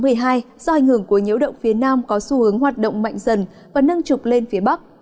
do ảnh hưởng của nhiễu động phía nam có xu hướng hoạt động mạnh dần và nâng trục lên phía bắc